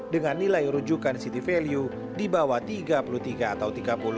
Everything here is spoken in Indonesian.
dengan nilai rujukan city value di bawah tiga puluh tiga atau tiga puluh